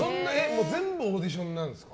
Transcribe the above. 全部オーディションなんですか？